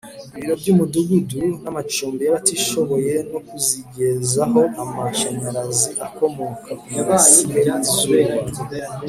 ibiro by imidugudu n amacumbi y abatishoboye no kuzigezaho amashanyarazi akomoka ku mirasire y izuba